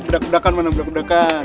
bedak bedakan mana bedakan